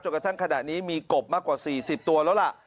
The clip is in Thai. กระทั่งขณะนี้มีกบมากกว่า๔๐ตัวแล้วล่ะ